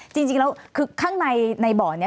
จริงแล้วคือข้างในนายเบาะนี้